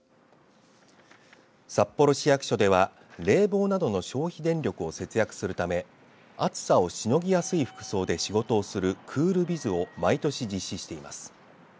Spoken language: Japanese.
札幌市役所では冷房などの消費電力を節約するため暑さをしのぎやすい服装で仕事をするクールビズを毎年実施しています。